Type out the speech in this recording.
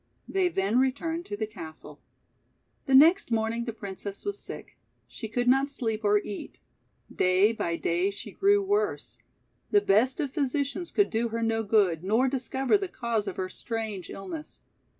They then returned to the castle. The next morning the Princess was sick. She could not sleep or eat. Day by day she grew worse. The best of physicians could do her no good, nor discover the cause of her strange ill ness.